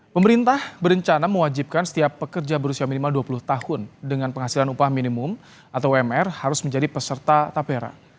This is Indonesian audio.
pemerintah berencana mewajibkan setiap pekerja berusia minimal dua puluh tahun dengan penghasilan upah minimum atau umr harus menjadi peserta tapera